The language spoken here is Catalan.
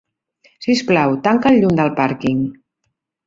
Sisplau, tanca el llum del pàrquing.